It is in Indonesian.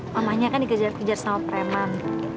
mamanya kan dikejar kejar sama preman